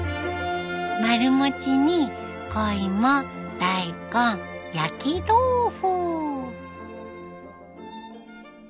丸餅に小芋大根焼き豆腐。